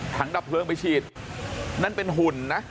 ดับเพลิงไปฉีดนั่นเป็นหุ่นนะ